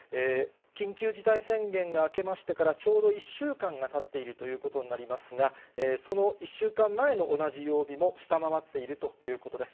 緊急事態宣言が明けましてから、ちょうど１週間がたっているということになりますが、その１週間前の同じ曜日も下回っているということです。